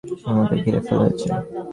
তোমাকে ঘিরে ফেলা হয়েছে।